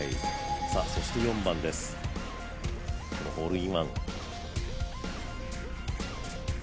そして４番、このホールインワン。